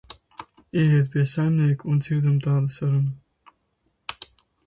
Ieiet pie saimnieka un dzirdam tādu sarunu.